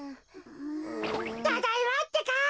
ただいまってか。